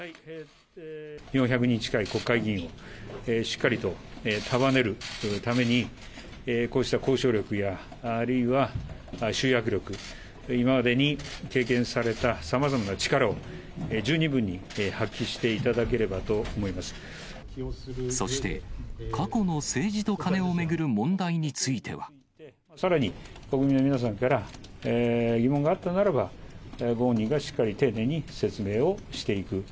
４００人近い国会議員を、しっかりと束ねるために、こうした交渉力や、あるいは集約力、今までに経験されたさまざまな力を十二分に発揮していただければそして、過去の政治とカネを巡る問題については。さらに国民の皆さんから疑問があったならば、ご本人がしっかり丁寧に説明をしていく。